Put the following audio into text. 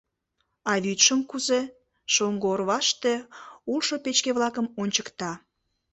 — А вӱдшым кузе? — шоҥго орваште улшо печке-влакым ончыкта.